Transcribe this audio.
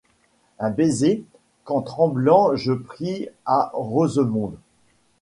Un baiser, qu’en tremblant je pris à Rosemonde.